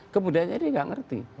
kebudayaannya dia gak ngerti